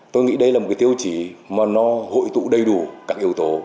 tôi nghĩ đây là một tiêu chỉ mà nó hội tụ đầy đủ các yếu tố